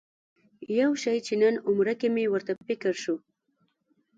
یو شي چې نن عمره کې مې ورته فکر شو.